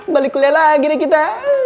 balik kuliah lagi deh kita